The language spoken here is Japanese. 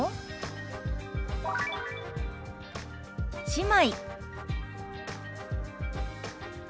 「姉妹」。